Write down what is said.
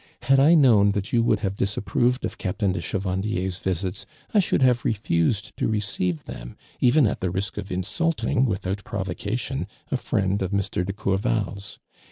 Had I known that you would ha\e disapproved of Captain de Che vandier's visits, I should have refused to receive them, even at the risk of insulting, without provocation, a friend of Mr. de Courval's.